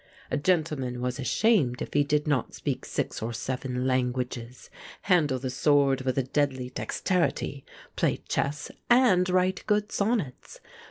A gentleman was ashamed if he did not speak six or seven languages, handle the sword with a deadly dexterity, play chess, and write good sonnets.